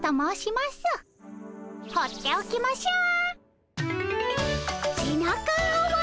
放っておきましょう。